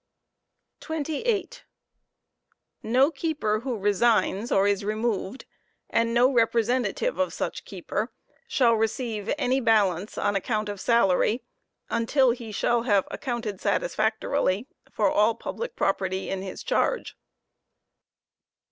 ^ 2*8. No keeper who resigns or is removed, and no representative of such keeper, shall receive any balance on accoflfit of salary until he shall have accounted satis factorily for all public property in his charge.